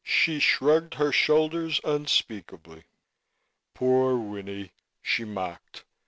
She shrugged her shoulders unspeakably. "Poor Winnie!" she mocked.